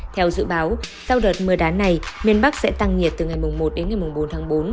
theo dự báo sau đợt mưa đá này miền bắc sẽ tăng nhiệt từ ngày một đến ngày bốn tháng bốn